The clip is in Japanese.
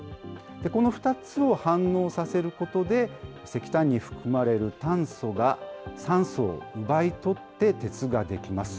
この２つを反応させることで、石炭に含まれる炭素が酸素を奪い取って鉄が出来ます。